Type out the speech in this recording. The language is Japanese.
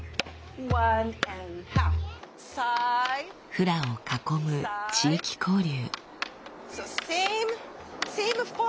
フラを囲む地域交流。